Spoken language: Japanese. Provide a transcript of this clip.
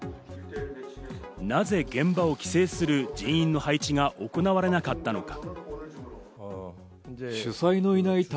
なぜ現場を規制する人員の配置が行われなかったのか。